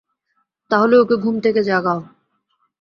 তাহলে, ওকে ঘুম থেকে জাগাও।